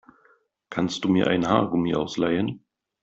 Kannst du mir ein Haargummi ausleihen?